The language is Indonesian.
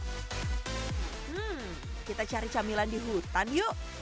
hmm kita cari camilan di hutan yuk